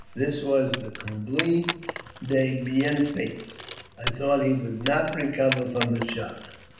This was the comble de bienfaits. I thought he would not recover from the shock.